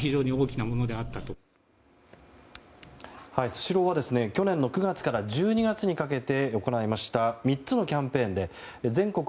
スシローは去年の９月から１２月にかけて行いました３つのキャンペーンで全国